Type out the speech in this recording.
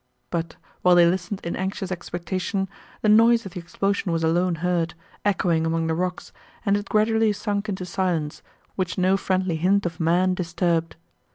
But, while they listened in anxious expectation, the noise of the explosion was alone heard, echoing among the rocks, and it gradually sunk into silence, which no friendly hint of man disturbed.